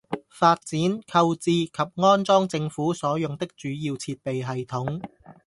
發展、購置及安裝政府所用的主要設備系統